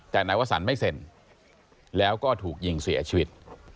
แต่นายวสันไม่เซ็นแล้วก็ถูกยิงเสียชีวิต